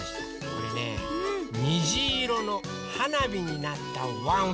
これねにじいろのはなびになったワンワンをかいてくれました。